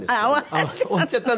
あっ終わっちゃった。